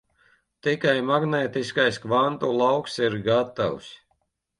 Tikai magnētiskais kvantu lauks ir gatavs.